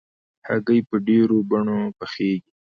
هګۍ په ډېرو بڼو پخېږي.